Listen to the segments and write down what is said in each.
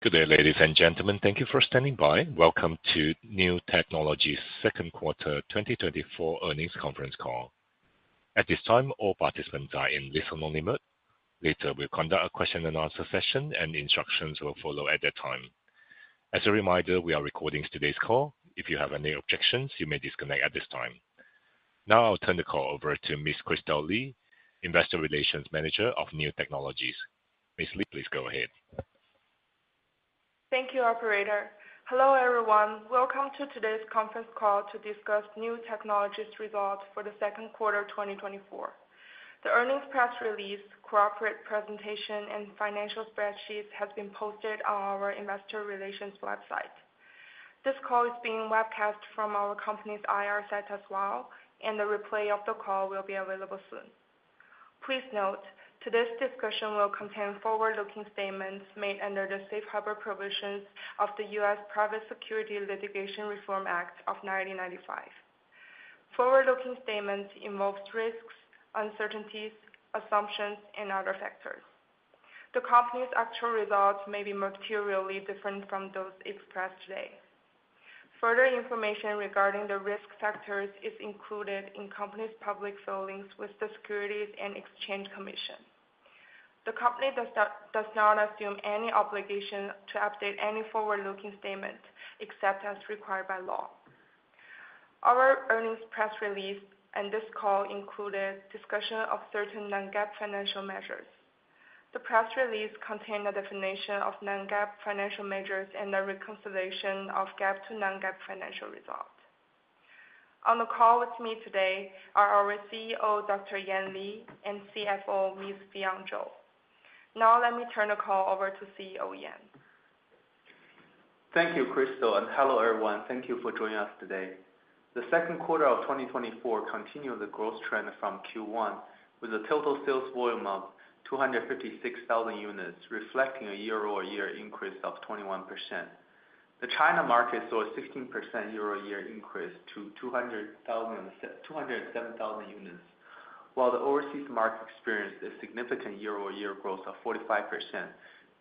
Good day, ladies and gentlemen. Thank you for standing by. Welcome to NIU Technologies' second quarter 2024 Earnings Conference Call. At this time, all participants are in listen-only mode. Later, we'll conduct a question and answer session, and instructions will follow at that time. As a reminder, we are recording today's call. If you have any objections, you may disconnect at this time. Now, I'll turn the call over to Ms. Kristal Li, Investor Relations Manager of NIU Technologies. Ms. Li, please go ahead. Thank you, operator. Hello, everyone. Welcome to today's conference call to discuss Niu Technologies' results for the second quarter 2024. The earnings press release, corporate presentation, and financial spreadsheets have been posted on our investor relations website. This call is being webcast from our company's IR site as well, and the replay of the call will be available soon. Please note, today's discussion will contain forward-looking statements made under the Safe Harbor Provisions of the U.S. Private Securities Litigation Reform Act of 1995. Forward-looking statements involve risks, uncertainties, assumptions, and other factors. The company's actual results may be materially different from those expressed today. Further information regarding the risk factors is included in the company's public filings with the Securities and Exchange Commission. The company does not, does not assume any obligation to update any forward-looking statement, except as required by law. Our earnings press release and this call included discussion of certain non-GAAP financial measures. The press release contained a definition of non-GAAP financial measures and a reconciliation of GAAP to non-GAAP financial results. On the call with me today are our CEO, Dr. Yan Li, and CFO, Ms. Fion Zhou. Now, let me turn the call over to CEO Yan. Thank you, Kristal, and hello, everyone. Thank you for joining us today. The second quarter of 2024 continued the growth trend from Q1, with the total sales volume of 256,000 units, reflecting a year-over-year increase of 21%. The China market saw a 16% year-over-year increase to 207,000 units, while the overseas market experienced a significant year-over-year growth of 45%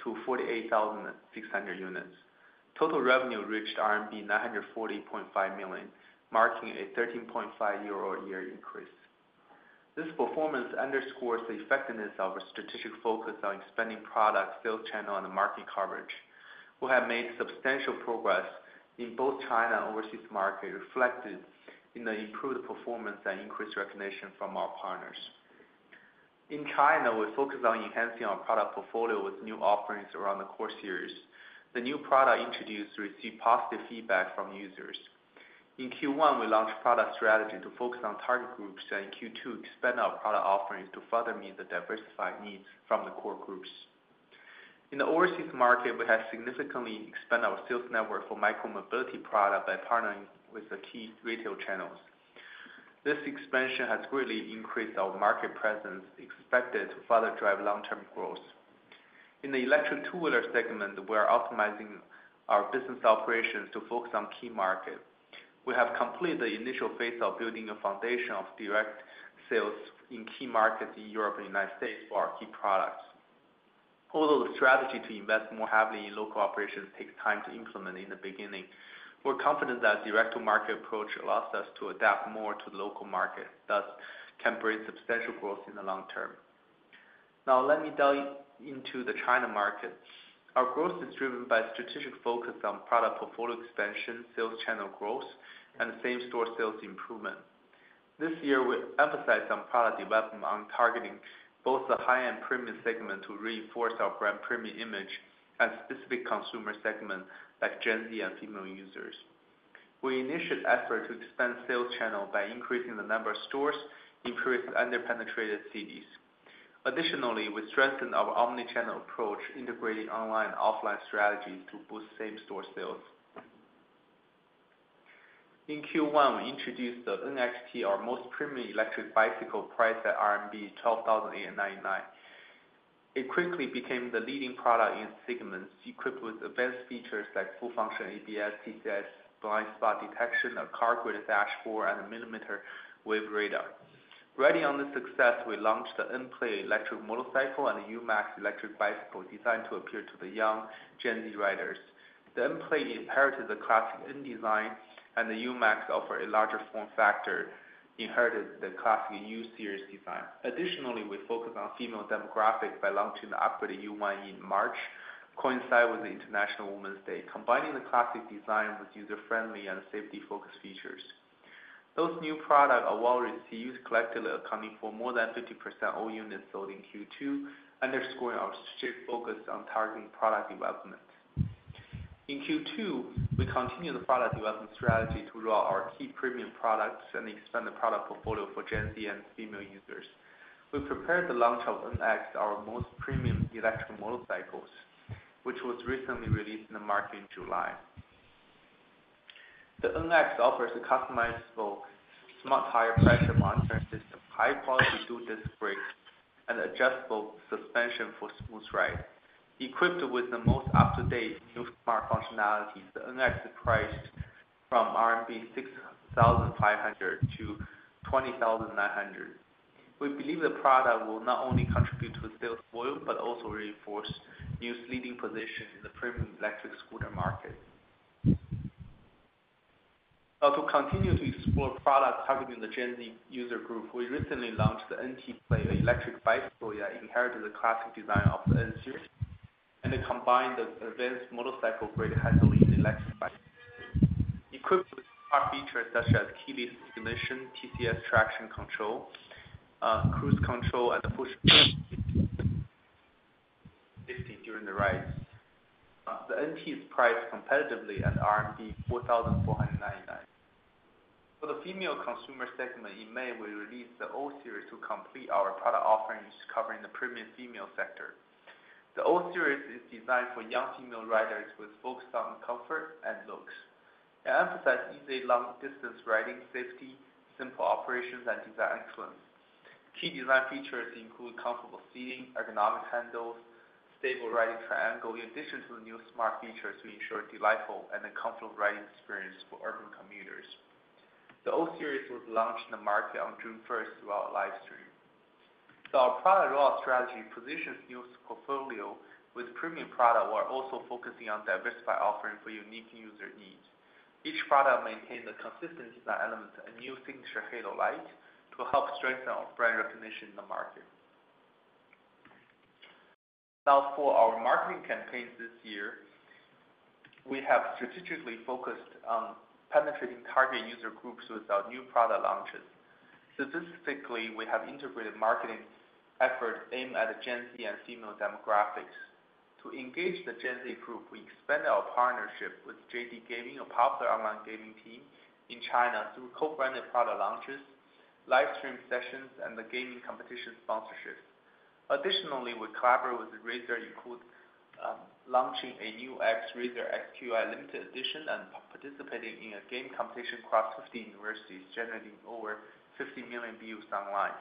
to 48,600 units. Total revenue reached RMB 940.5 million, marking a 13.5% year-over-year increase. This performance underscores the effectiveness of a strategic focus on expanding product sales channel and market coverage. We have made substantial progress in both China and overseas market, reflected in the improved performance and increased recognition from our partners. In China, we focus on enhancing our product portfolio with new offerings around the core series. The new product introduced received positive feedback from users. In Q1, we launched product strategy to focus on target groups, and in Q2, expand our product offerings to further meet the diversified needs from the core groups. In the overseas market, we have significantly expanded our sales network for micro-mobility product by partnering with the key retail channels. This expansion has greatly increased our market presence, expected to further drive long-term growth. In the electric two-wheeler segment, we are optimizing our business operations to focus on key markets. We have completed the initial phase of building a foundation of direct sales in key markets in Europe and United States for our key products. Although the strategy to invest more heavily in local operations takes time to implement in the beginning, we're confident that direct-to-market approach allows us to adapt more to the local market, thus can bring substantial growth in the long term. Now, let me dive into the China market. Our growth is driven by strategic focus on product portfolio expansion, sales channel growth, and same-store sales improvement. This year, we emphasize on product development on targeting both the high-end premium segment to reinforce our brand premium image and specific consumer segment, like Gen Z and female users. We initiated effort to expand sales channel by increasing the number of stores, increase under-penetrated cities. Additionally, we strengthened our omni-channel approach, integrating online and offline strategies to boost same-store sales. In Q1, we introduced the NXT, our most premium electric bicycle, priced at RMB 12,099. It quickly became the leading product in segments, equipped with advanced features like full function ABS, TCS, blind spot detection, a car-grade dashcam, and a millimeter wave radar. Riding on the success, we launched the NQi Play electric motorcycle and the UQi Max electric bicycle, designed to appeal to the young Gen Z riders. The NQi Play inherited the classic N design, and the UQi Max offer a larger form factor, inherited the classic U-Series design. Additionally, we focus on female demographic by launching the upgraded U1 in March, coincide with the International Women's Day, combining the classic design with user-friendly and safety-focused features. Those new products are well received, collectively accounting for more than 50% all units sold in Q2, underscoring our strategic focus on targeting product development. In Q2, we continued the product development strategy to grow our key premium products and expand the product portfolio for Gen Z and female users. We prepared the launch of NX, our most premium electric motorcycles, which was recently released in the market in July. The NX offers a customizable, smart tire pressure monitoring system, high-quality dual disc brakes, and adjustable suspension for smooth ride. Equipped with the most up-to-date new smart functionalities, the NX is priced from 6,500-20,900 RMB. We believe the product will not only contribute to the sales volume, but also reinforce NIU's leading position in the premium electric scooter market. Now, to continue to explore products targeting the Gen Z user group, we recently launched the NT electric bike scooter, inherited the classic design of the N1, and it combined the advanced motorcycle-grade handling electrified. Equipped with car features such as keyless ignition, TCS traction control, cruise control, and push during the rides. The NT is priced competitively at 4,499. For the female consumer segment, in May, we released the O-Series to complete our product offerings, covering the premium female sector. The O-Series is designed for young female riders with focus on comfort and looks, and emphasize easy long-distance riding, safety, simple operations, and design excellence. Key design features include comfortable seating, ergonomic handles, stable riding triangle, in addition to the new smart features, to ensure delightful and a comfortable riding experience for urban commuters. The O-Series was launched in the market on June 1, through our live stream. Our product line strategy positions NIU's portfolio with premium product, while also focusing on diversify offering for unique user needs. Each product maintain the consistent design elements and NIU signature halo light, to help strengthen our brand recognition in the market. Now, for our marketing campaigns this year, we have strategically focused on penetrating target user groups with our new product launches. Statistically, we have integrated marketing efforts aimed at the Gen Z and female demographics. To engage the Gen Z group, we expanded our partnership with JD Gaming, a popular online gaming team in China, through co-branded product launches, live stream sessions, and the gaming competition sponsorships. Additionally, we collaborate with Razer, including launching a NIU x Razer SQi Limited Edition, and participating in a game competition across 50 universities, generating over 50 million views online.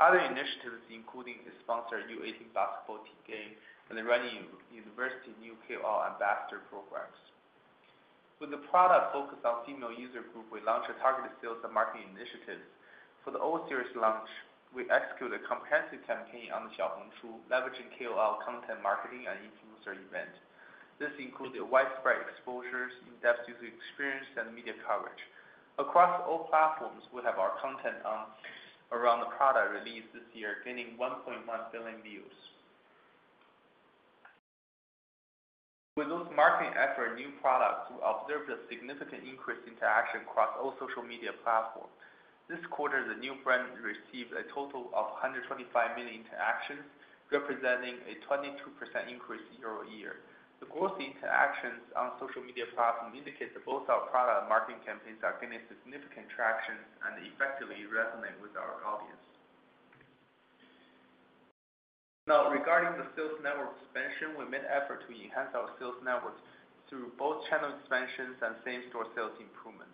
Other initiatives, including sponsoring the No. 18 basketball team game and the Running University NIU KOL ambassador programs. With the product focused on female user group, we launched a targeted sales and marketing initiatives. For the O-Series launch, we executed a comprehensive campaign on the Xiaohongshu, leveraging KOL content marketing and influencer event. This included widespread exposures, in-depth user experience, and media coverage. Across all platforms, we have our content around the product release this year, gaining 1.1 billion views. With those marketing efforts, new products, we observed a significant increase in interaction across all social media platforms. This quarter, the NIU brand received a total of 125 million interactions, representing a 22% increase year-over-year. The growth interactions on social media platform indicates that both our product and marketing campaigns are gaining significant traction and effectively resonate with our audience. Now, regarding the sales network expansion, we made effort to enhance our sales networks through both channel expansions and same-store sales improvement.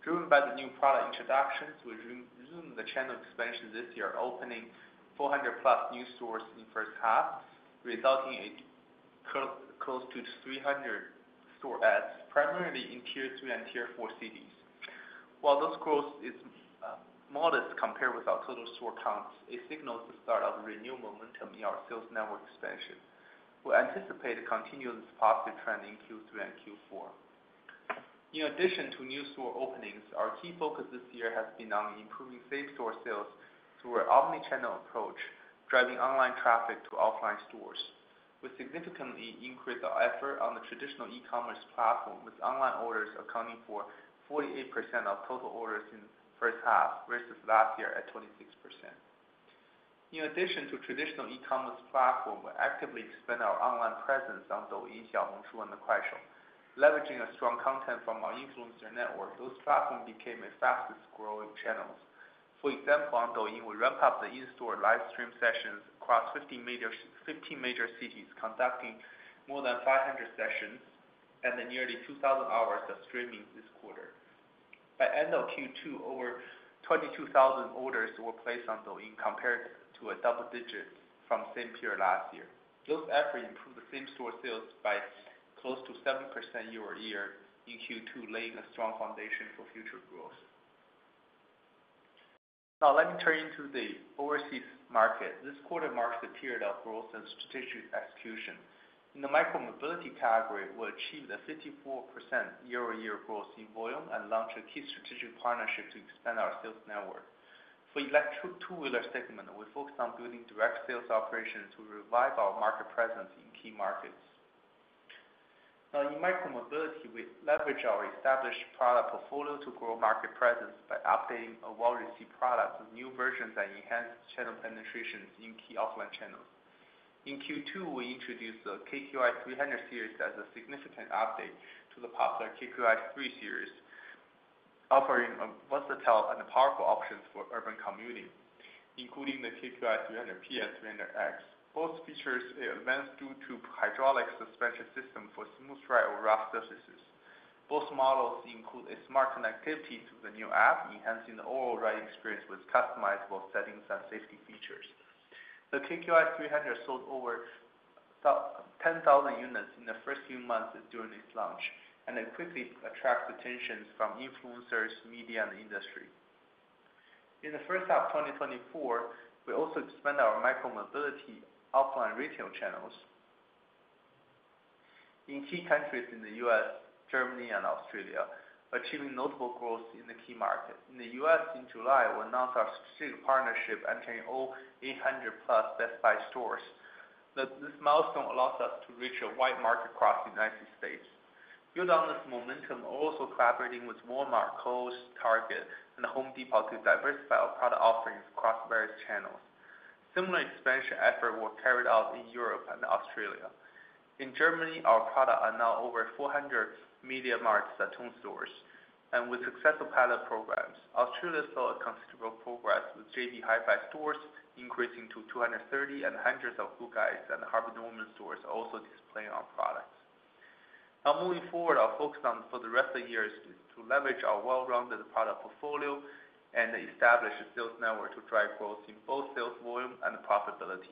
Driven by the new product introductions, we re-resumed the channel expansion this year, opening 400+ new stores in first half, resulting in close to 300 store adds, primarily in tier three and tier four cities. While this growth is modest compared with our total store counts, it signals the start of renewed momentum in our sales network expansion. We anticipate to continue this positive trend in Q3 and Q4. In addition to new store openings, our key focus this year has been on improving same-store sales through our omni-channel approach, driving online traffic to offline stores. We significantly increased our effort on the traditional e-commerce platform, with online orders accounting for 48% of total orders in first half, versus last year at 26%. In addition to traditional e-commerce platform, we actively expand our online presence on Douyin, Xiaohongshu, and the Kuaishou. Leveraging a strong content from our influencer network, those platforms became a fastest growing channels. For example, on Douyin, we ramp up the in-store live stream sessions across fifteen major cities, conducting more than 500 sessions, and then nearly 2,000 hours of streaming this quarter. By end of Q2, over 22,000 orders were placed on Douyin, compared to a double digit from same period last year. Those efforts improved the same-store sales by close to 7% year-over-year in Q2, laying a strong foundation for future growth. Now, let me turn into the overseas market. This quarter marks the period of growth and strategic execution. In the micromobility category, we achieved a 54% year-over-year growth in volume, and launched a key strategic partnership to expand our sales network. For electric two-wheeler segment, we focused on building direct sales operations to revive our market presence in key markets. Now, in micromobility, we leverage our established product portfolio to grow market presence by updating a well-received product with new versions and enhanced channel penetrations in key offline channels. In Q2, we introduced the KQi300 Series as a significant update to the popular KQi3 Series, offering a versatile and powerful options for urban commuting, including the KQi300P, KQi300X. Both features a advanced two-tube hydraulic suspension system for smooth ride over rough surfaces. Both models include a smart connectivity to the NIU App, enhancing the overall riding experience with customizable settings and safety... The KQi300 sold over 10,000 units in the first few months during its launch, and it quickly attracts attention from influencers, media, and industry. In the first half of 2024, we also expand our micro-mobility offline retail channels in key countries in the U.S., Germany, and Australia, achieving notable growth in the key market. In the U.S. in July, we announced our strategic partnership entering all 800+ Best Buy stores. This milestone allows us to reach a wide market across the United States. Build on this momentum, also collaborating with Walmart, Kohl's, Target, and Home Depot to diversify our product offerings across various channels. Similar expansion effort were carried out in Europe and Australia. In Germany, our product are now over 400 MediaMarktSaturn stores, and with successful pilot programs. Australia saw a considerable progress, with JB Hi-Fi stores increasing to 230, and hundreds of The Good Guys and Harvey Norman stores also displaying our products. Now moving forward, our focus on for the rest of the year is to leverage our well-rounded product portfolio and establish a sales network to drive growth in both sales volume and profitability.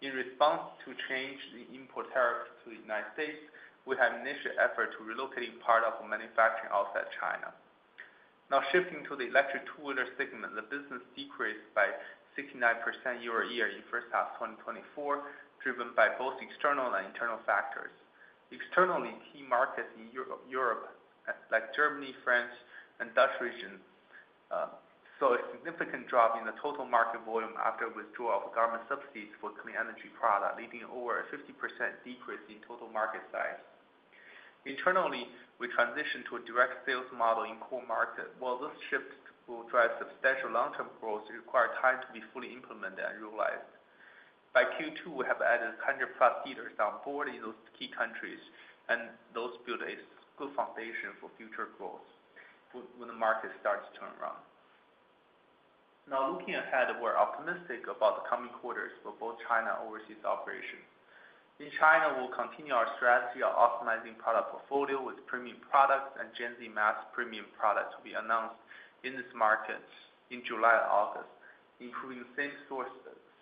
In response to change the import tariffs to the United States, we have initiated effort to relocating part of our manufacturing outside China. Now shifting to the electric two-wheeler segment, the business decreased by 69% year-over-year in first half 2024, driven by both external and internal factors. Externally, key markets in Europe, like Germany, France, and Dutch regions, saw a significant drop in the total market volume after withdrawal of government subsidies for clean energy product, leading over a 50% decrease in total market size. Internally, we transitioned to a direct sales model in core market. While this shift will drive substantial long-term growth, it require time to be fully implemented and realized. By Q2, we have added 100 plus dealers on board in those key countries, and those build a good foundation for future growth when the market starts to turn around. Now, looking ahead, we're optimistic about the coming quarters for both China and overseas operations. In China, we'll continue our strategy on optimizing product portfolio with premium products and Gen Z mass premium products we announced in this market in July and August, improving same-store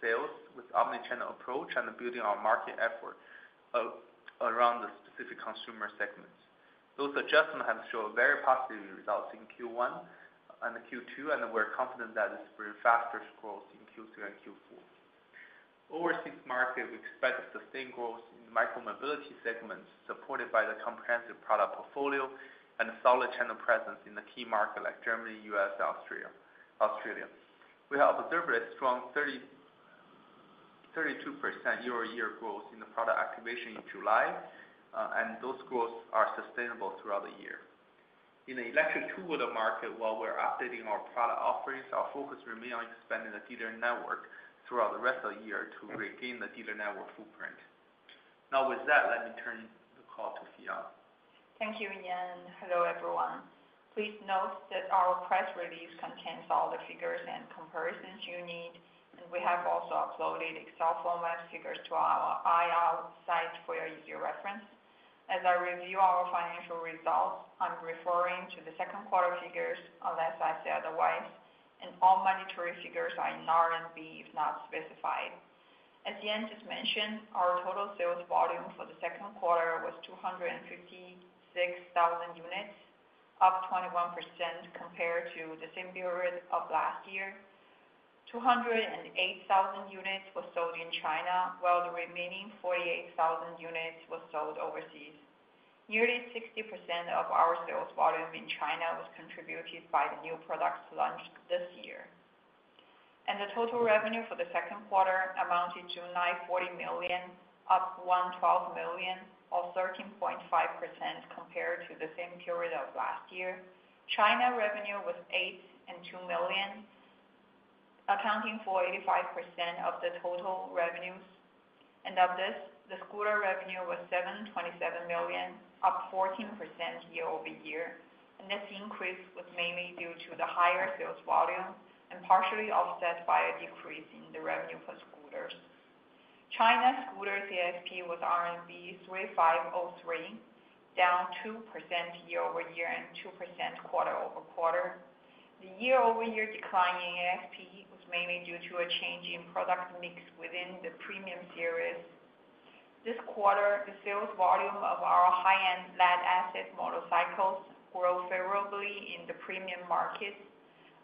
sales with omni-channel approach and building our market effort around the specific consumer segments. Those adjustments have shown very positive results in Q1 and Q2, and we're confident that it's bring faster growth in Q3 and Q4. Overseas market, we expect sustained growth in the micro-mobility segment, supported by the comprehensive product portfolio and solid channel presence in the key market like Germany, US, and Australia, Australia. We have observed a strong 32% year-over-year growth in the product activation in July, and those growths are sustainable throughout the year. In the electric two-wheeler market, while we're updating our product offerings, our focus remain on expanding the dealer network throughout the rest of the year to regain the dealer network footprint. Now with that, let me turn the call to Fion. Thank you, Yan, and hello, everyone. Please note that our press release contains all the figures and comparisons you need, and we have also uploaded Excel format figures to our IR site for your easier reference. As I review our financial results, I'm referring to the second quarter figures, unless I say otherwise, and all monetary figures are in RMB, if not specified. As Yan just mentioned, our total sales volume for the second quarter was 256,000 units, up 21% compared to the same period of last year. 208,000 units were sold in China, while the remaining 48,000 units were sold overseas. Nearly 60% of our sales volume in China was contributed by the new products launched this year. The total revenue for the second quarter amounted to 940 million, up 12 million, or 13.5%, compared to the same period of last year. China revenue was 802 million, accounting for 85% of the total revenues, and of this, the scooter revenue was 727 million, up 14% year-over-year. This increase was mainly due to the higher sales volume and partially offset by a decrease in the revenue for scooters. China scooter ASP was RMB 3,503, down 2% year-over-year and 2% quarter-over-quarter. The year-over-year decline in ASP was mainly due to a change in product mix within the premium series. This quarter, the sales volume of our high-end lead-acid motorcycles grew favorably in the premium market,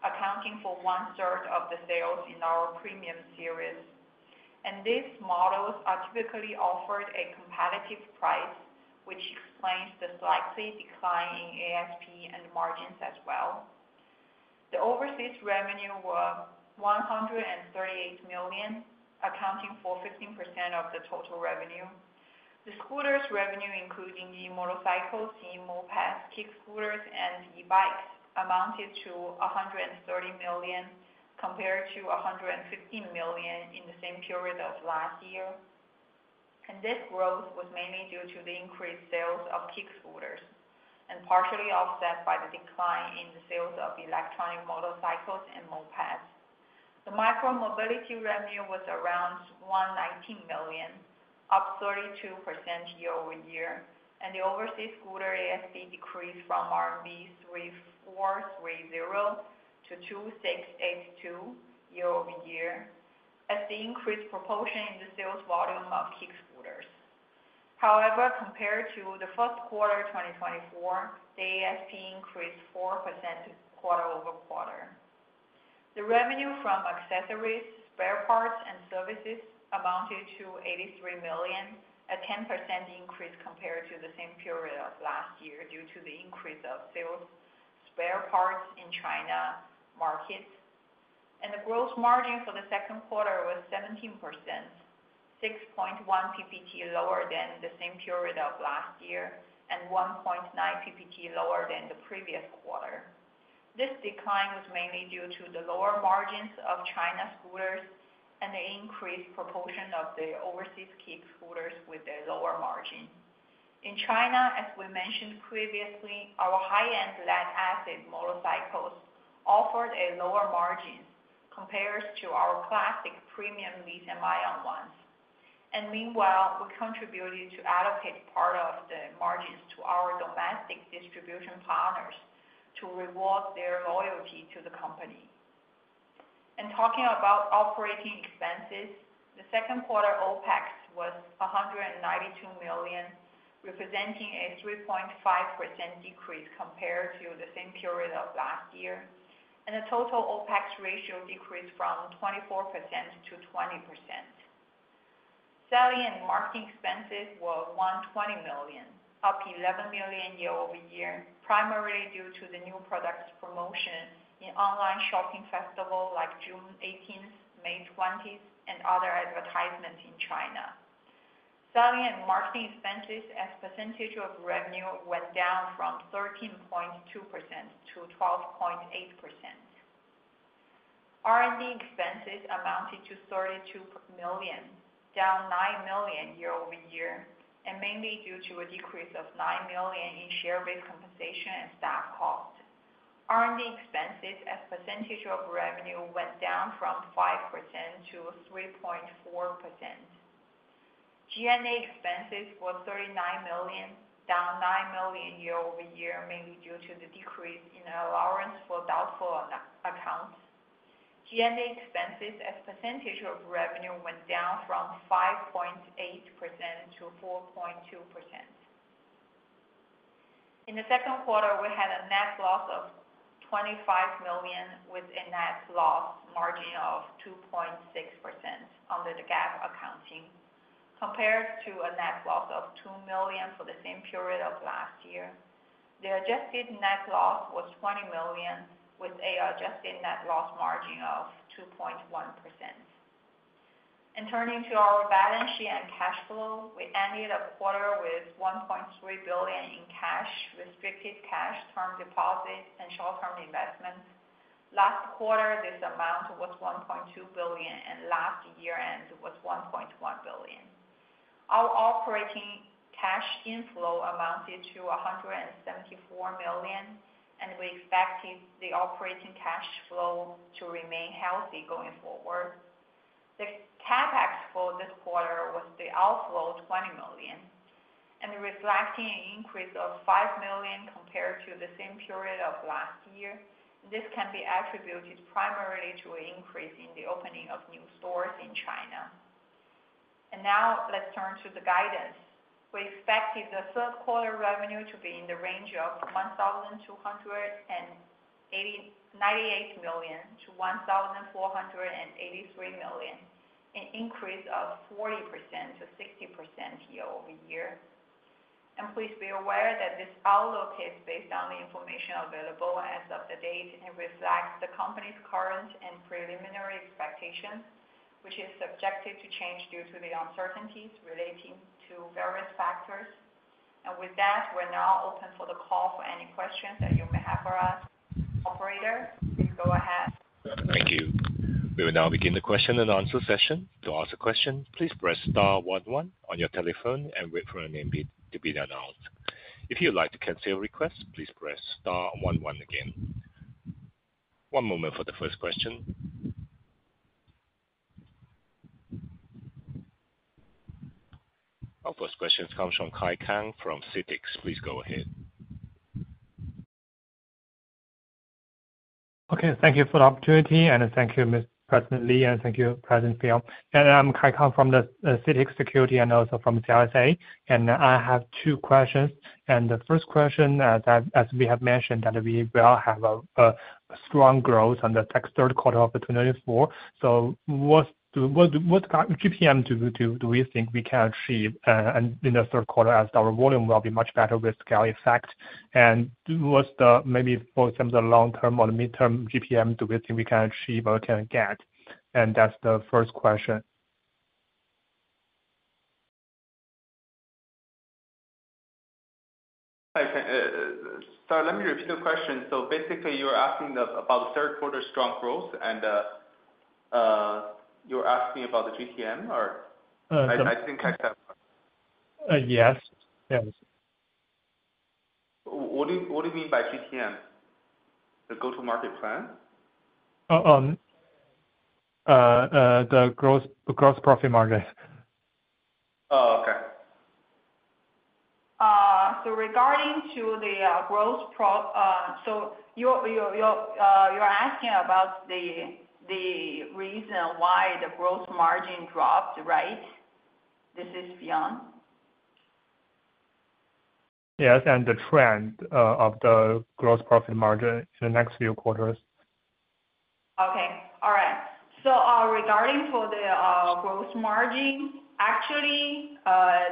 accounting for one-third of the sales in our premium series. These models are typically offered a competitive price, which explains the slight decline in ASP and margins as well. The overseas revenue were 138 million, accounting for 15% of the total revenue. The scooters revenue, including the motorcycles, the mopeds, kick scooters, and e-bikes, amounted to 130 million, compared to 115 million in the same period of last year. This growth was mainly due to the increased sales of kick scooters, and partially offset by the decline in the sales of electric motorcycles and mopeds. The micro-mobility revenue was around 119 million. up 32% year-over-year, and the overseas scooter ASP decreased from 3,430 to 2,682 year-over-year, as the increased proportion in the sales volume of kick scooters. However, compared to the first quarter 2024, the ASP increased 4% quarter-over-quarter. The revenue from accessories, spare parts, and services amounted to 83 million, a 10% increase compared to the same period of last year, due to the increase of sales spare parts in China market. The gross margin for the second quarter was 17%, 6.1 PPT lower than the same period of last year, and 1.9 PPT lower than the previous quarter. This decline was mainly due to the lower margins of China scooters and the increased proportion of the overseas kick scooters with a lower margin. In China, as we mentioned previously, our high-end lead-acid motorcycles offered a lower margin compared to our classic premium lithium-ion ones. Meanwhile, we continue to allocate part of the margins to our domestic distribution partners to reward their loyalty to the company. Talking about operating expenses, the second quarter OpEx was 192 million, representing a 3.5% decrease compared to the same period of last year, and the total OpEx ratio decreased from 24% to 20%. Selling and marketing expenses were 120 million, up 11 million year-over-year, primarily due to the new product promotion in online shopping festivals like June 18, May 20, and other advertisements in China. Selling and marketing expenses as percentage of revenue went down from 13.2% to 12.8%. R&D expenses amounted to 32 million, down 9 million year-over-year, and mainly due to a decrease of 9 million in share-based compensation and staff costs. R&D expenses as percentage of revenue went down from 5% to 3.4%. G&A expenses were 39 million, down 9 million year-over-year, mainly due to the decrease in allowance for doubtful accounts. G&A expenses as percentage of revenue went down from 5.8% to 4.2%. In the second quarter, we had a net loss of 25 million, with a net loss margin of 2.6% under the GAAP accounting, compared to a net loss of 2 million for the same period of last year. The adjusted net loss was 20 million, with a adjusted net loss margin of 2.1%. Turning to our balance sheet and cash flow, we ended the quarter with 1.3 billion in cash, restricted cash, term deposits, and short-term investments. Last quarter, this amount was 1.2 billion, and last year end, it was 1.1 billion. Our operating cash inflow amounted to 174 million, and we expected the operating cash flow to remain healthy going forward. The CapEx for this quarter was the outflow of 20 million, reflecting an increase of 5 million compared to the same period of last year. This can be attributed primarily to an increase in the opening of new stores in China. Now, let's turn to the guidance. We expected the third quarter revenue to be in the range of 1,298 million to 1,483 million, an increase of 40%-60% year-over-year. Please be aware that this outlook is based on the information available as of the date and reflects the company's current and preliminary expectations, which is subject to change due to the uncertainties relating to various factors. With that, we're now open for the call for any questions that you may have for us. Operator, please go ahead. Thank you. We will now begin the question and answer session. To ask a question, please press star one one on your telephone and wait for your name to be announced. If you'd like to cancel your request, please press star one one again. One moment for the first question. Our first question comes from Kai Kang from CITIC. Please go ahead. Okay, thank you for the opportunity, and thank you, Mr. Yan Li, and thank you, CFO Fion. And I'm Kai Kang from the CITIC Securities and also from CLSA, and I have two questions. And the first question, that as we have mentioned, we will have a strong growth on the next third quarter of 2024. So what kind of GPM do we think we can achieve, and in the third quarter as our volume will be much better with scale effect? And what's the, maybe both in the long term or the midterm GPM, do we think we can achieve or can get? And that's the first question. I can, so let me repeat the question. So basically, you're asking us about the third quarter strong growth, and, you're asking about the GPM or? Uh, the- I think I have- Yes. Yes.... What do you mean by GTM? The go-to-market plan? The gross profit margin. Oh, okay. So you're asking about the reason why the gross margin dropped, right? This is Fion. Yes, and the trend of the gross profit margin in the next few quarters. Okay, all right. So, regarding the gross margin, actually,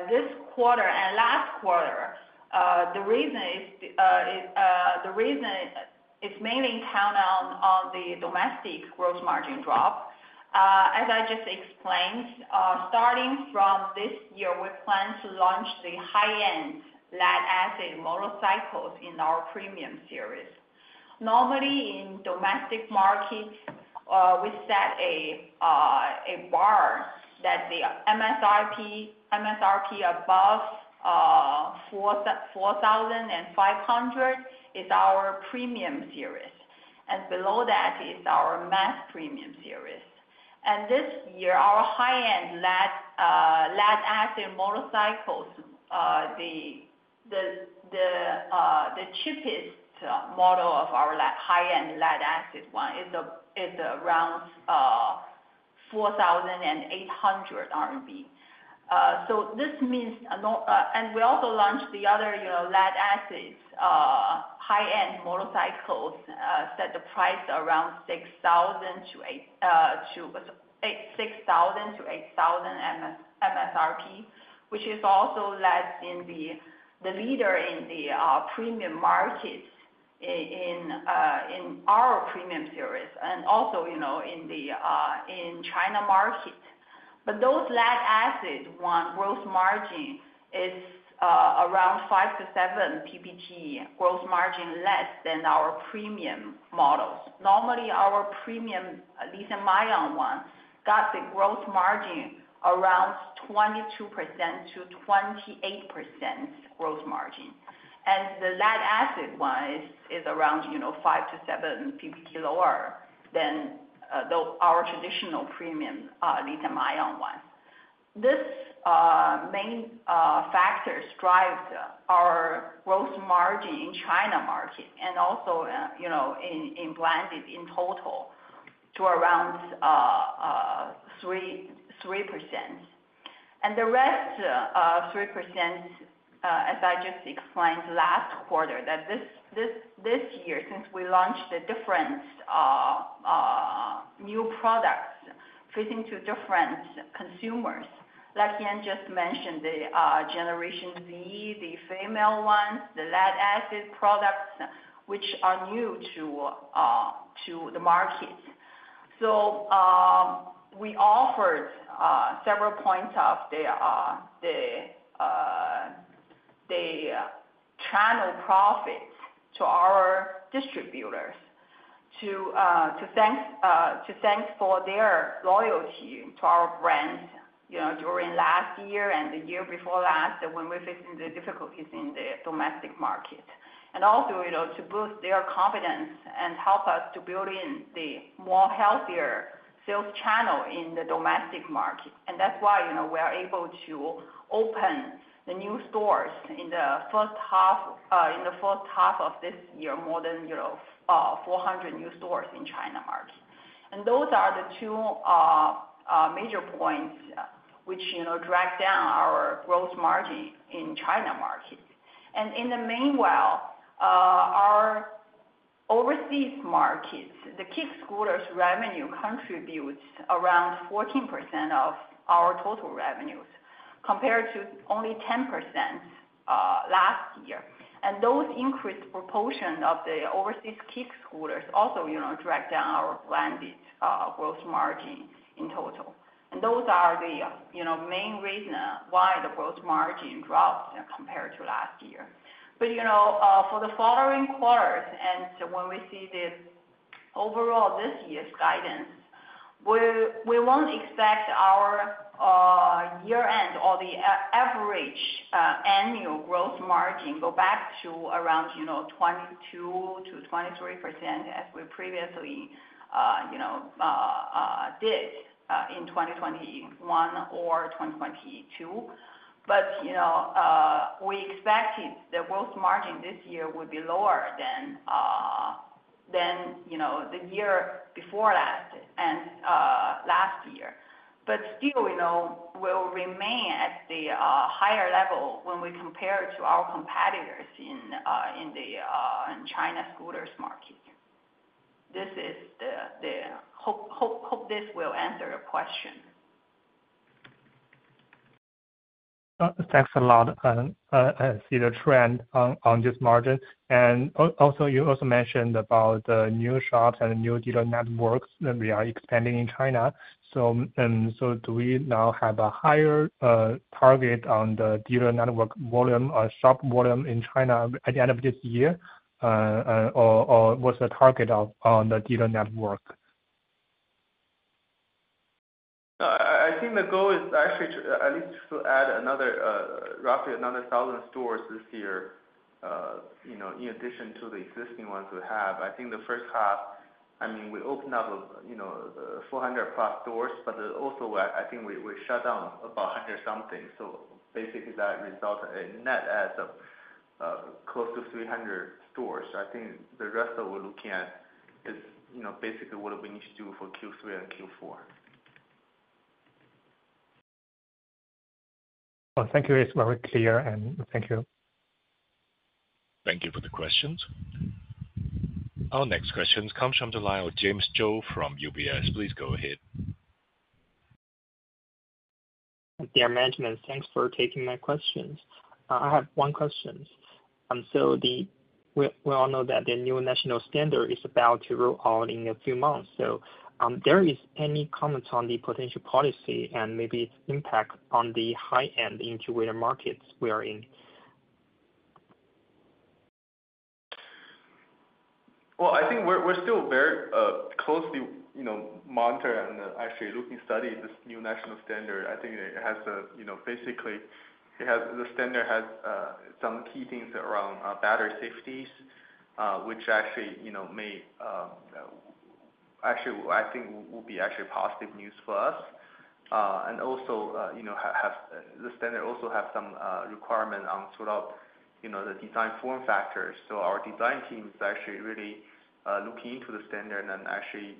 this quarter and last quarter, the reason is the reason is mainly count on the domestic gross margin drop. As I just explained, starting from this year, we plan to launch the high-end lead-acid motorcycles in our premium series. Normally, in domestic market, we set a bar that the MSRP above 4,500 is our premium series, and below that is our mass premium series. And this year, our high-end lead-acid motorcycles, the cheapest model of our high-end lead-acid one is around 4,800 RMB. and we also launched the other, you know, lead-acid high-end motorcycles set the price around 6,000-8,000 CNY MSRP, which is also the leader in the premium markets in our premium series and also, you know, in the China market. But those lead-acid ones, gross margin is around 5-7% gross margin, less than our premium models. Normally, our premium lithium-ion ones got the gross margin around 22%-28% gross margin. And the lead-acid one is around, you know, 5 to 7 PP lower than the our traditional premium lithium-ion one. This main factor drives our gross margin in China market and also, you know, in blended in total to around 3%. And the rest 3%, as I just explained last quarter, that this year, since we launched the different new products fitting to different consumers, like Yan just mentioned, the Generation Z, the female ones, the lead-acid products, which are new to the market. So, we offered several points of the channel profits to our distributors to thank for their loyalty to our brands, you know, during last year and the year before last, when we're facing the difficulties in the domestic market. And also, you know, to boost their confidence and help us to build in the more healthier sales channel in the domestic market. And that's why, you know, we are able to open the new stores in the first half, in the first half of this year, more than 400 new stores in China market. And those are the two major points, which, you know, drag down our gross margin in China market. And in the meanwhile, our overseas markets, the kick scooters revenue contributes around 14% of our total revenues, compared to only 10% last year. And those increased proportion of the overseas kick scooters also, you know, drag down our blended gross margin in total. And those are the, you know, main reason why the gross margin dropped compared to last year. But, you know, for the following quarters, and when we see the overall this year's guidance, we won't expect our year-end or the average annual gross margin go back to around, you know, 22%-23% as we previously, you know, did in 2021 or 2022. But, you know, we expected the gross margin this year would be lower than, than, you know, the year before last and last year. But still, you know, we'll remain at the higher level when we compare to our competitors in the China scooters market. I hope this will answer your question. Thanks a lot. I see the trend on this margin. And also, you also mentioned about the new shops and new dealer networks that we are expanding in China. So, do we now have a higher target on the dealer network volume or shop volume in China at the end of this year? Or, what's the target on the dealer network? I think the goal is actually to at least add another roughly another 1,000 stores this year, you know, in addition to the existing ones we have. I think the first half, I mean, we opened up, you know, 400+ stores, but also I think we shut down about 100 something. So basically that resulted in net add of close to 300 stores. I think the rest that we're looking at is, you know, basically what we need to do for Q3 and Q4. Well, thank you. It's very clear, and thank you. Thank you for the questions. Our next question comes from the line of James Zhou from UBS. Please go ahead. Dear management, thanks for taking my questions. I have one question. And so we all know that the new national standard is about to roll out in a few months. So, there is any comments on the potential policy and maybe its impact on the high-end commuter markets we are in? Well, I think we're still very closely, you know, monitor and actually looking study this new national standard. I think it has a, you know, basically, the standard has some key things around battery safeties, which actually, you know, may actually, I think will be actually positive news for us. And also, you know, the standard also have some requirement on sort of, you know, the design form factors. So our design team is actually really looking into the standard and actually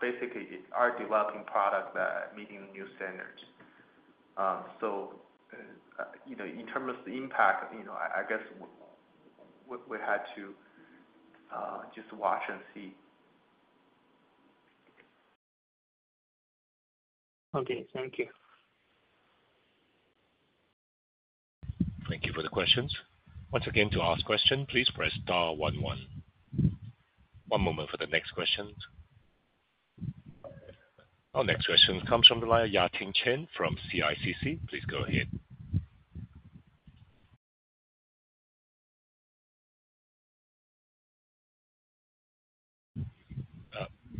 basically are developing products that are meeting new standards. So, you know, in terms of the impact, you know, I guess we had to just watch and see. Okay, thank you. Thank you for the questions. Once again, to ask question, please press star one, one. One moment for the next questions. Our next question comes from the line, Yaqing Chen from CICC. Please go ahead.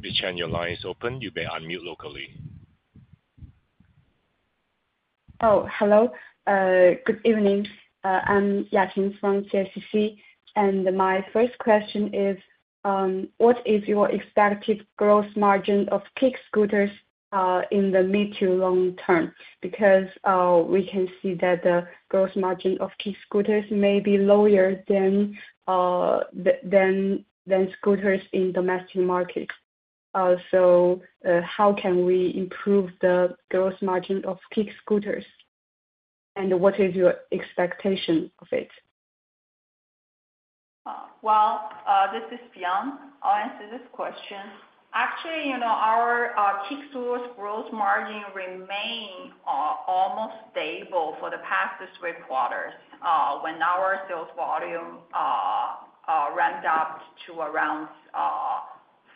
Yaqing, your line is open, you may unmute locally. Oh, hello. Good evening. I'm Yaqing from CICC, and my first question is, what is your expected gross margin of kick scooters in the mid to long term? Because, we can see that the growth margin of kick scooters may be lower than than scooters in domestic markets. So, how can we improve the gross margin of kick scooters, and what is your expectation of it? Well, this is Fion. I'll answer this question. Actually, you know, our kick scooters gross margin remain almost stable for the past three quarters, when our sales volume ramped up to around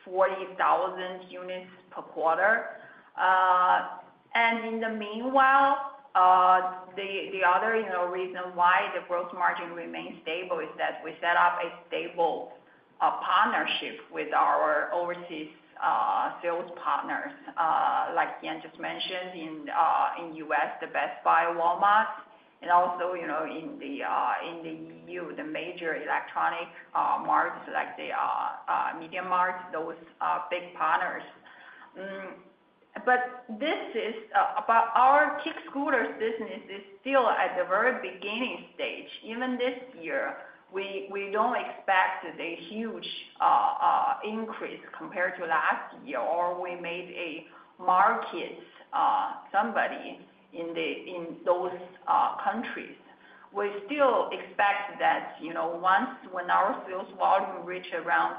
40,000 units per quarter. And in the meanwhile, the other, you know, reason why the gross margin remains stable is that we set up a stable partnership with our overseas sales partners, like Yan just mentioned, in the U.S., Best Buy, Walmart, and also, you know, in the EU, the major electronics marts, like MediaMarkt, those big partners. But this is but our kick scooters business is still at the very beginning stage. Even this year, we don't expect a huge increase compared to last year, or we made a market somebody in the, in those countries. We still expect that, you know, once when our sales volume reach around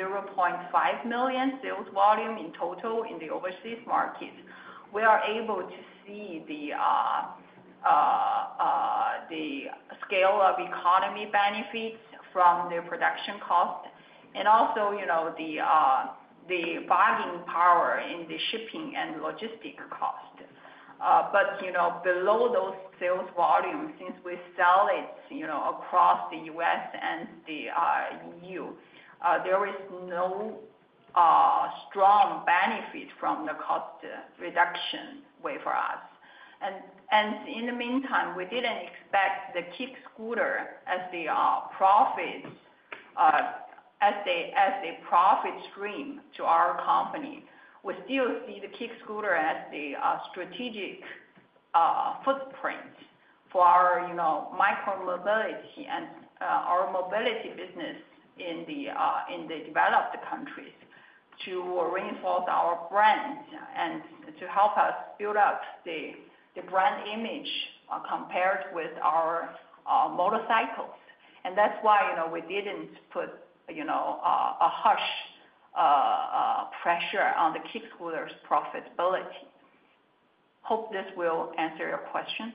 0.5 million sales volume in total in the overseas markets, we are able to see the, the scale of economy benefits from the production cost, and also, you know, the, the buying power in the shipping and logistic cost. But, you know, below those sales volumes, since we sell it, you know, across the US and the, EU, there is no strong benefit from the cost reduction way for us. And in the meantime, we didn't expect the kick scooter as the, profits, as a, as a profit stream to our company. We still see the kick scooter as the strategic footprint for our, you know, micro mobility and our mobility business in the developed countries, to reinforce our brand and to help us build up the brand image compared with our motorcycles. That's why, you know, we didn't put, you know, a harsh pressure on the kick scooters profitability. Hope this will answer your question.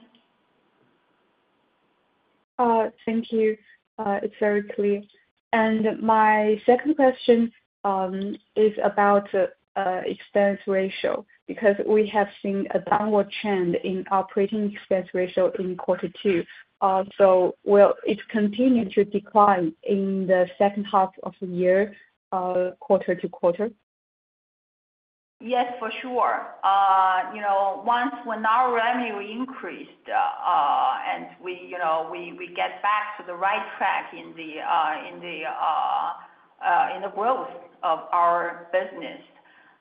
Thank you. It's very clear. My second question is about expense ratio, because we have seen a downward trend in operating expense ratio in quarter two. Will it continue to decline in the second half of the year, quarter to quarter? Yes, for sure. You know, once when our revenue increased, and we, you know, get back to the right track in the growth of our business,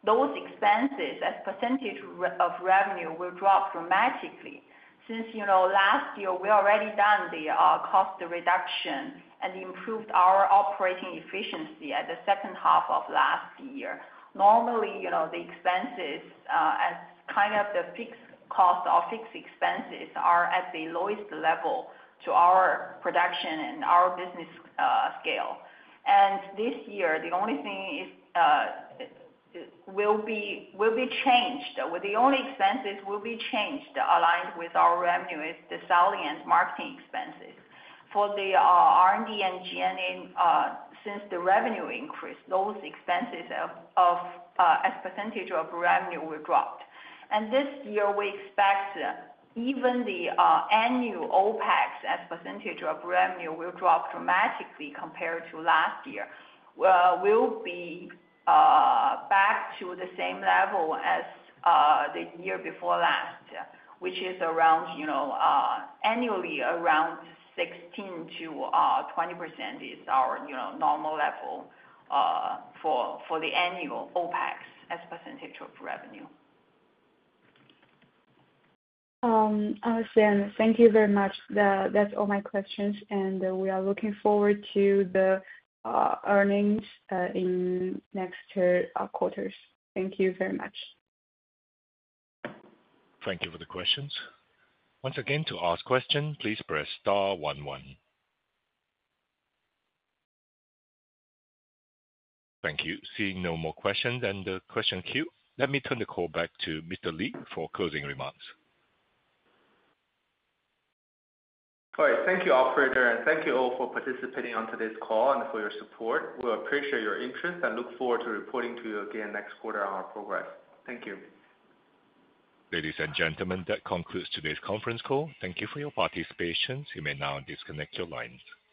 those expenses as percentage of revenue will drop dramatically. Since, you know, last year, we already done the cost reduction and improved our operating efficiency at the second half of last year. Normally, you know, the expenses as kind of the fixed cost or fixed expenses are at the lowest level to our production and our business scale. This year, the only thing is will be changed, or the only expenses will be changed, aligned with our revenue, is the selling and marketing expenses. For the R&D and G&A, since the revenue increased, those expenses of, of, as percentage of revenue will drop. And this year, we expect even the annual OpEx as percentage of revenue will drop dramatically compared to last year. Well, we'll be back to the same level as the year before last, which is around, you know, annually, around 16%-20% is our, you know, normal level for, for the annual OpEx as percentage of revenue. Awesome. Thank you very much. That's all my questions, and we are looking forward to the earnings in next year quarters. Thank you very much. Thank you for the questions. Once again, to ask question, please press star one, one. Thank you. Seeing no more questions in the question queue, let me turn the call back to Mr. Li for closing remarks. All right. Thank you, operator, and thank you all for participating on today's call and for your support. We appreciate your interest and look forward to reporting to you again next quarter on our progress. Thank you. Ladies and gentlemen, that concludes today's conference call. Thank you for your participation. You may now disconnect your lines.